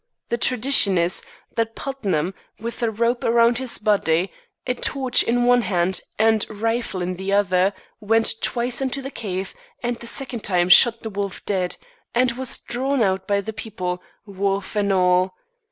The tradition is, that Putnam, with a rope around his body, a torch in one hand, and rifle in the other, went twice into the cave, and the second time shot the wolf dead, and was drawn out by the people, wolf and all.